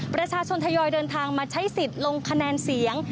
ประชาชนทยอยเดินทางมาใช้สิทธิ์ลงคะแนนเสียง